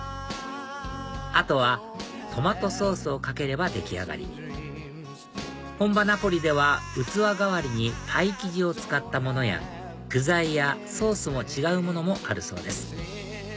あとはトマトソースをかければ出来上がり本場ナポリでは器代わりにパイ生地を使ったものや具材やソースも違うものもあるそうです